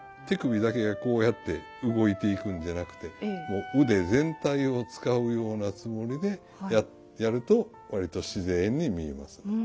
手首だけがこうやって動いていくんじゃなくてもう腕全体を使うようなつもりでやると割と自然に見えます。